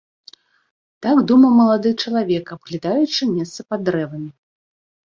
Так думаў малады чалавек, абглядаючы месца пад дрэвамі.